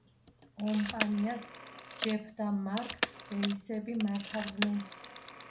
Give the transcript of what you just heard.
ომპანიას ჯეფ და მარკ ბეისები მართავდნენ.